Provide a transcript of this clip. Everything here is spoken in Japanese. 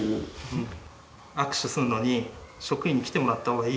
握手するのに職員に来てもらった方がいい？